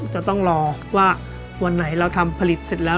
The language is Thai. จะต้องรอว่าวันไหนเราทำผลิตเสร็จแล้ว